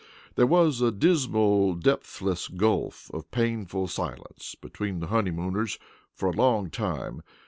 There was a dismal depthless gulf of painful silence between the honeymooners for a long time.